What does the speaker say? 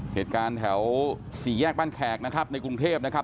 เหตุการณ์แถวสี่แยกบ้านแขกนะครับในกรุงเทพนะครับ